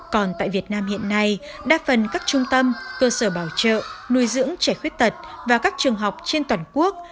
còn tại việt nam hiện nay đa phần các trung tâm cơ sở bảo trợ nuôi dưỡng trẻ khuyết tật và các trường học trên toàn quốc